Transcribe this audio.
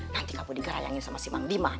nanti kamu digerayangin sama si mang diman